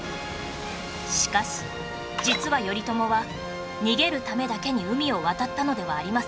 しかし実は頼朝は逃げるためだけに海を渡ったのではありませんでした